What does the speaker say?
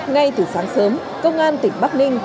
ngay từ sáng sớm công an tỉnh bắc ninh